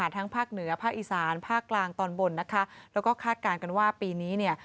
ทั้งภาคเหนือภาคอีสานภาคกลางตอนบนแล้วก็คาดการณ์กันว่าปีนี้